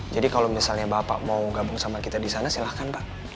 jadi kalau misalnya bapak mau gabung sama kita disana silahkan pak